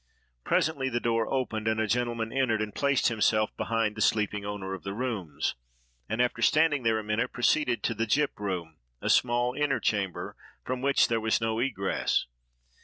Presently the door opened, and a gentleman entered and placed himself behind the sleeping owner of the rooms, and, after standing there a minute, proceeded to the gyp room—a small inner chamber, from which there was no egress.